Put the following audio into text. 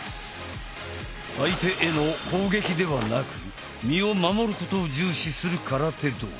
相手への攻撃ではなく身を守ることを重視する空手道。